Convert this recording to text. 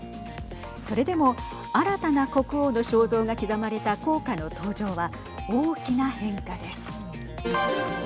それでも新たな国王の肖像が刻まれた硬貨の登場は大きな変化です。